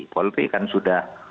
polri kan sudah